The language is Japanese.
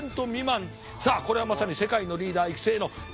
さあこれはまさに世界のリーダー育成の虎の穴状態。